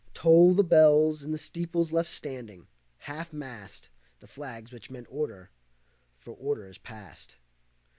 Toll the bells in the steeples left standing. Half mast The flags which meant order, for order is past.